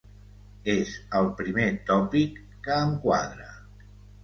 És el primer tòpic que em quadra.